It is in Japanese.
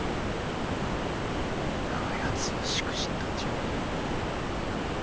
だがやつはしくじったんじゃ。